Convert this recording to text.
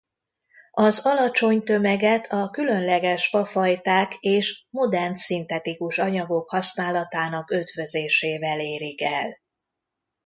Az alacsony tömeget a különleges fafajták és modern szintetikus anyagok használatának ötvözésével érik el.